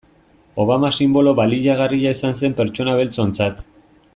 Obama sinbolo baliagarria izan zen pertsona beltzontzat.